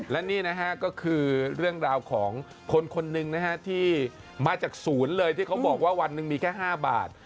และนี่นะฮะก็คือเรื่องราวของคนคนหนึ่งนะฮะที่มาจากศูนย์เลยที่เขาบอกว่าวันหนึ่งมีแค่๕บาท